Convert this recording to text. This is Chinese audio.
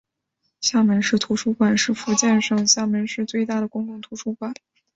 厦门市图书馆是福建省厦门市最大的公共图书馆。